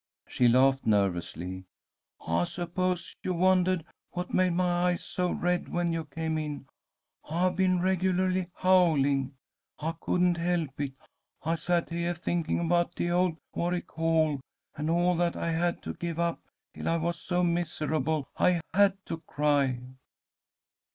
She laughed nervously. "I suppose you wondahed what made my eyes so red, when you came in. I've been regularly howling. I couldn't help it. I sat heah thinking about deah old Warwick Hall, and all that I had to give up, till I was so misahable I had to cry."